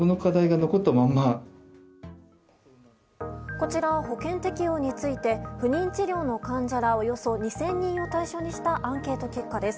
こちら、保険適用について不妊治療の患者らおよそ２０００人を対象にしたアンケート結果です。